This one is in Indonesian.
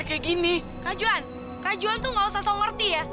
kak juhan kak juhan tuh gak usah sok ngerti ya